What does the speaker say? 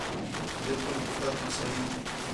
بالکل پُتر تو صحیح